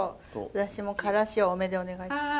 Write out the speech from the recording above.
私からし多めでお願いします。